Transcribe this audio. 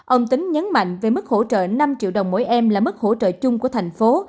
ông tính nhấn mạnh về mức hỗ trợ năm triệu đồng mỗi em là mức hỗ trợ chung của thành phố